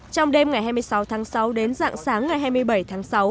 trong đêm ngày hai mươi sáu tháng sáu đến dạng sáng ngày hai mươi bảy tháng sáu